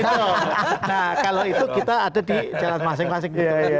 nah kalau itu kita ada di jalan masing masing